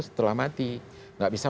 setelah mati nggak bisa